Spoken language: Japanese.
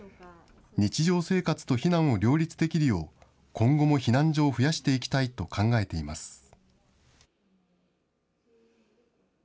日常生活と避難を両立できるよう、今後も避難所を増やしていきたいと考えています。